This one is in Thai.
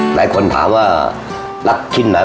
หลายคนถามว่ารักชิ้นไหน